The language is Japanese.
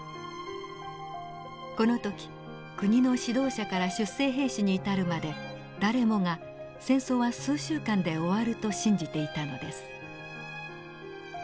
この時国の指導者から出征兵士に至るまで誰もが戦争は数週間で終わると信じていたのです。